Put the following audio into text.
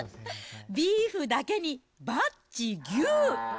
ビーフだけに、バッチギュー。